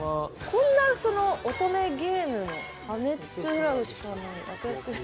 こんなその「乙女ゲームの破滅フラグしかない悪役」。